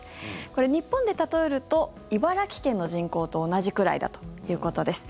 これ、日本で例えると茨城県の人口と同じくらいだということです。